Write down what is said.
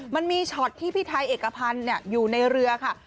มันมีช็อตที่พี่ไทยเอกพันธ์อยู่ในเรือค่ะ